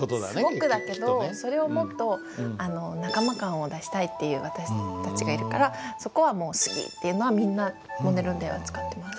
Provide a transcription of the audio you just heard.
すごくだけどそれをもっと仲間感を出したいっていう私たちがいるからそこはもう「すぎ」っていうのはみんなモデルでは使ってます。